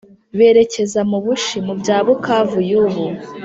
berekeza mu bushi(mu bya bukavu y'ubu).